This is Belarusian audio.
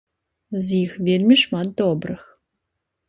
З іх вельмі шмат добрых.